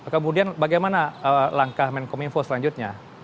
kemudian bagaimana langkah menkom info selanjutnya